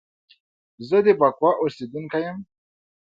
زه د بکواه اوسیدونکی یم